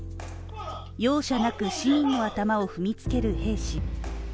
容赦なく市民の頭を踏みつける兵士。